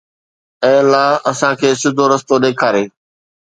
اي الله اسان کي سڌو رستو ڏيکاري